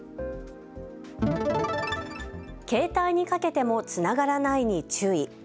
携帯にかけてもつながらないに注意。